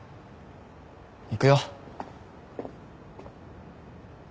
行くよ。